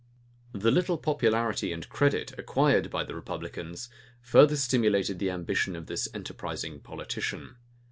[] The little popularity and credit acquired by the republicans, further stimulated the ambition of this enterprising politician.